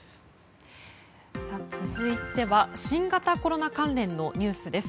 続いては新型コロナ関連のニュースです。